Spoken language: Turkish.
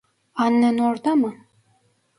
Annen orada mı?